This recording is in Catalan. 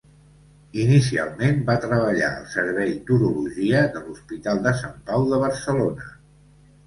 Inicialment va treballar al Servei d'Urologia de l'Hospital de Sant Pau de Barcelona.